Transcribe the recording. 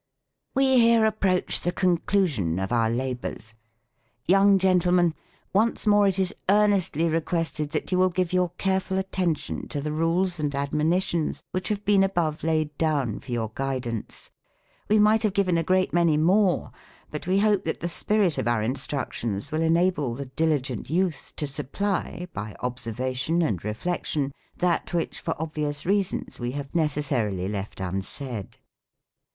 We here approach the conclusion of our labors. Young gentlemen, once more it is earnestly requested that you will give your careful attention to the rules and admonitions which have been above laid down for your guidance. We might have given a great many more ; but we hope that the spirit of our instructions will enable the diligent youth to supply, by observation and reflection, that which, for obvious reasons, we have necessarily left unsaid.